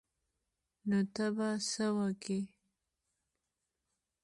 نو ته به څه وکې.